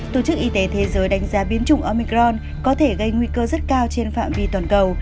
tổ chức y tế thế giới đánh giá biến chủng omicron có thể gây nguy cơ rất cao trên phạm vi toàn cầu